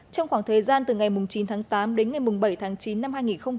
trong khoảng thời gian từ ngày chín tháng tám đến ngày bảy tháng chín năm hai nghìn một mươi chín